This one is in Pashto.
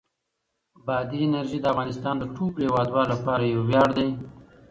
بادي انرژي د افغانستان د ټولو هیوادوالو لپاره یو ویاړ دی.